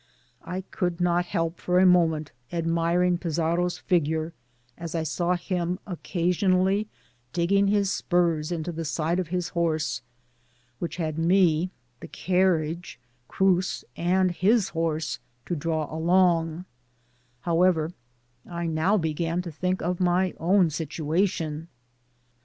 I could not help for a moment admiring Pizzaro's figure, as I saw him occasionidly digging his spurs into the side of Ins horse, which had not only to draw the carriage and me,^ but Cruz and his horse also ; however, I now began to think of my own situation.